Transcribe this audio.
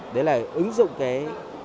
đấy là ứng dụng cái